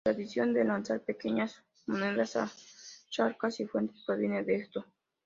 La tradición de lanzar pequeñas monedas a charcas y fuentes proviene de esto.